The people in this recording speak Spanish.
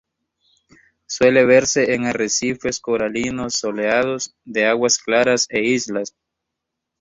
Suele verse en arrecifes coralinos soleados, de aguas claras e islas.